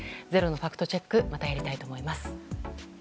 「ｚｅｒｏ」のファクトチェックまたやりたいと思います。